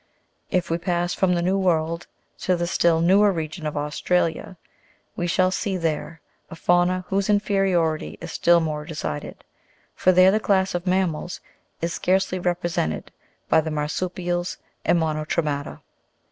If we pass from the New World to the still newer region of Australia, we shall there see a fauna whose inferiority is still more decided, for there the class of mammals is scarcely represented by the Marsu'pials and Monotre'mata.